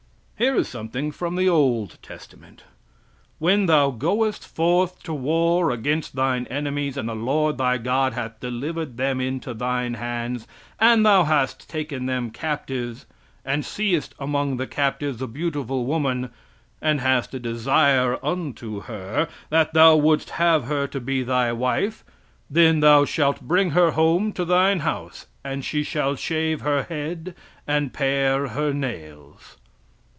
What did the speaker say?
Here is something from the old testament: "When thou goest forth to war against thine enemies, and the Lord thy God hath delivered them into thine hands, and thou hast taken them captives; "And seest among the captives a beautiful woman, and hast a desire unto her, that thou wouldst have her to be thy wife; "Then thou shalt bring her home to thine house; and she shall shave her head, and pare her nails."